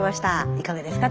いかがですか？